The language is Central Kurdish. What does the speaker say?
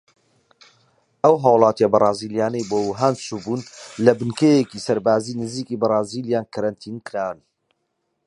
ئەو هاوڵاتیە بەرازیلیانەی بۆ ووهان چوو بوون لە بنکەیەکی سەربازی نزیکی بەرازیلیا کەرەنتین کران.